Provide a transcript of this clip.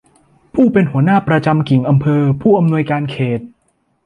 ผู้เป็นหัวหน้าประจำกิ่งอำเภอผู้อำนวยการเขต